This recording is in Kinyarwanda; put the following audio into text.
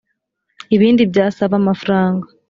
ibindi byasaba amafaranga